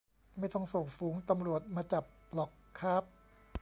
ไม่ต้องส่งฝูงตำรวจมาจับหรอกค้าบ